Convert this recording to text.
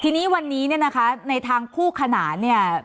ทีนี้วันนี้นะคะในทางผู้ขนาดเนี่ย